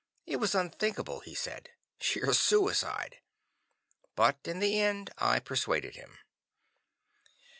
It was unthinkable, he said. Sheer suicide. But in the end I persuaded him.